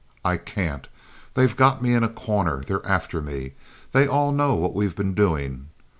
"I can't! They've got me in a corner! They're after me! They all know what we've been doing.